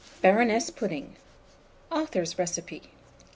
BARONESS PUDDING. (Author's Recipe.)